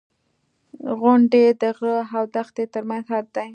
• غونډۍ د غره او دښتې ترمنځ حد دی.